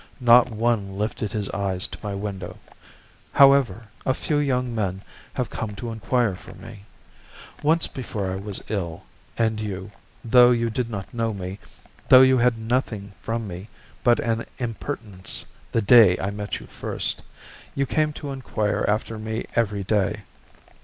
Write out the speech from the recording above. Not one lifted his eyes to my window. However, a few young men have come to inquire for me. Once before I was ill, and you, though you did not know me, though you had had nothing from me but an impertinence the day I met you first, you came to inquire after me every day.